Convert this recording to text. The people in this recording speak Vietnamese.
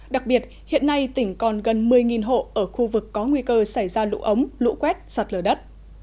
đặc biệt hiện nay tỉnh còn gần một mươi hộ ở khu vực có nguy cơ xảy ra lũ ống lũ quét sạt lở đất